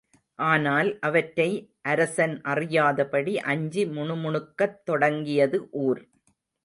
ஆனால் அவற்றை அரசன் அறியாதபடி அஞ்சி முணுமுணுக்கத் தொடங்கியது ஊர்.